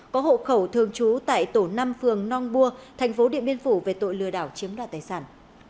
có hộ khẩu thường trú tại tổ năm phường nong bua thành phố điện biên phủ về tội lừa đảo chiếm đoạt tài sản